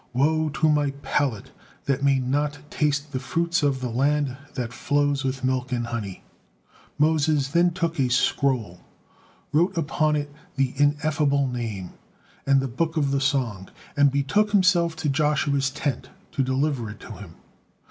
Woe to my palate that may not taste the fruits of the land that flows with milk and honey!" Moses then took a scroll, wrote upon it the Ineffable Name, and the book of the song, and betook himself to Joshua's tent to deliver it to him.